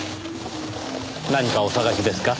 何かお捜しですか？